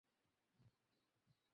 আমি সব ক্যাশ মন্দিরে দান করে দিয়েছি।